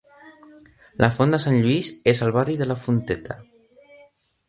La Font de Sant lluís és al barri de La Fonteta.